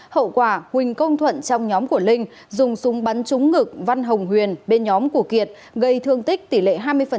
hậu quả huỳnh công thuận trong nhóm của linh dùng súng bắn trúng ngực văn hồng huyền bên nhóm của kiệt gây thương tích tỷ lệ hai mươi